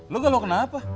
lu galau kenapa